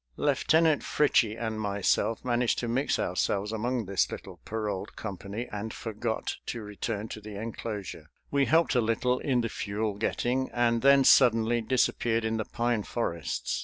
Lieutenant Fritchie and myself managed to mix ourselves among this little paroled company, and forgot to return to the enclosure. We helped a little in the fuel getting, and then suddenly disappeared in the pine forests.